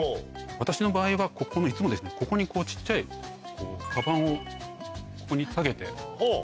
私の場合はいつもここにこう小っちゃいカバンをここに提げて。